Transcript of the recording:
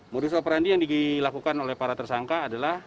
modus operandi yang dilakukan oleh para tersangka adalah